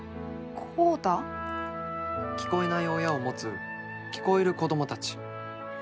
聞こえない親を持つ聞こえる子供たち。